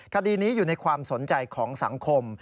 คดีนี้อยู่ในความสนใจของสังคม